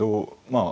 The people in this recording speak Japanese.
まあ